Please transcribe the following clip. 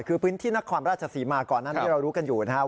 คือพื้นที่นักความราชสีมาก่อนนั้นที่เรารู้กันอยู่นะครับ